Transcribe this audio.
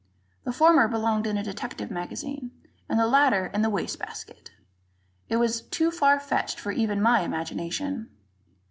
The former belonged in a detective magazine, and the latter in the waste basket. It was too far fetched for even my imagination.